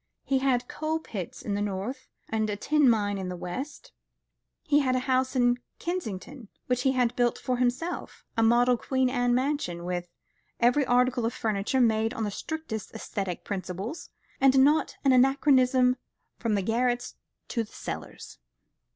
He had coal pits in the North, and a tin mine in the West. He had a house at Kensington which he had built for himself, a model Queen Anne mansion, with every article of furniture made on the strictest aesthetic principles, and not an anachronism from the garrets to the cellars.